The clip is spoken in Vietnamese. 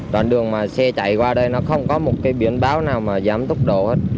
đoàn đường mà xe chạy qua đây nó không có một cái biến báo nào mà dám tốc độ hết